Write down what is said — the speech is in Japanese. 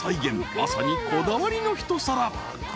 ［まさにこだわりの一皿］